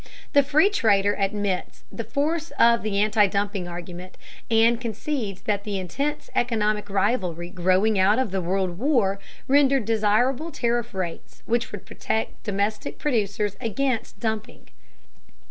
The free trader admits the force of the anti dumping argument, and concedes that the intense economic rivalry growing out of the World War rendered desirable tariff rates which would protect domestic producers against dumping.